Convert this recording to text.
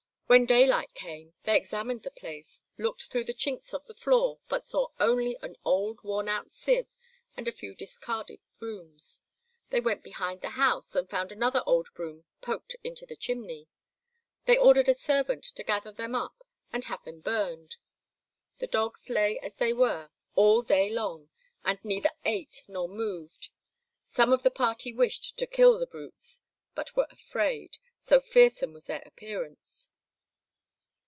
When daylight came they examined the place, looked through the chinks of the floor, but saw only an old, worn out sieve and a few discarded brooms. They went behind the house and found another old broom poked into the chimney. They ordered a servant to gather them up and have them burned. The dogs lay as they were all day long, and neither ate nor moved. Some of the party wished to kill the brutes, but were afraid, so fearsome was their appearance.